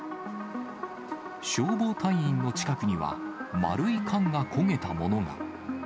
消防隊員の近くには、丸い缶が焦げたものが。